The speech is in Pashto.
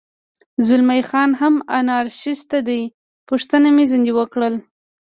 زلمی خان هم انارشیست دی، پوښتنه مې ځنې وکړل.